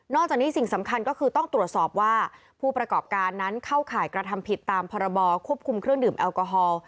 จากนี้สิ่งสำคัญก็คือต้องตรวจสอบว่าผู้ประกอบการนั้นเข้าข่ายกระทำผิดตามพรบควบคุมเครื่องดื่มแอลกอฮอล์